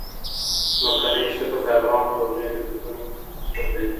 ځمکنی شکل د افغان کورنیو د دودونو مهم عنصر دی.